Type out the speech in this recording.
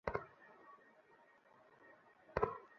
ভয়ে কিছু কিছু রোহিঙ্গা বাংলাদেশে পালিয়ে আসার কথাও তাঁদের জানা আছে।